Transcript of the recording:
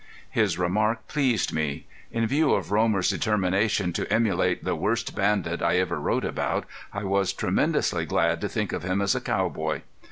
His remark pleased me. In view of Romer's determination to emulate the worst bandit I ever wrote about I was tremendously glad to think of him as a cowboy.